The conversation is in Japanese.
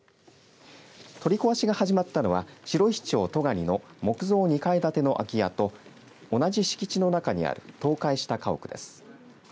取り壊しが始まったのは白石町戸ヶ里の木造２階建ての空き家と同じ敷地の中にある倒壊した家屋です。